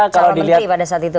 calon menteri pada saat itu